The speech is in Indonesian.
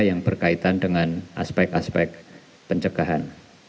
yang berkaitan dengan aspek aspek pencegahan